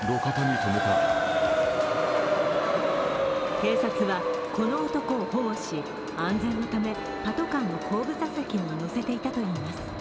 警察はこの男を保護し安全のためパトカーの後部座席に乗せていたといいます。